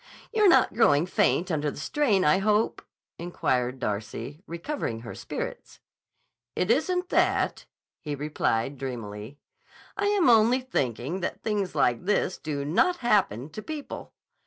"You're not growing faint under the strain, I hope?" inquired Darcy, recovering her spirits. "It isn't that," he replied dreamily. "I am only thinking that things like this do not happen to people.